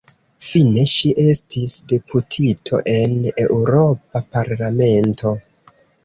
Fine ŝi estis deputito en Eŭropa Parlamento.